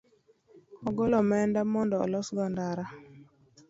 Ogol omenda mondo olos go nda